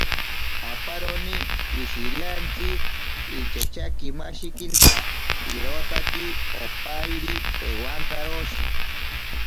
Aparoni wishiriantsi inchatyakimashikinta irotaki opairi ewankaroshi.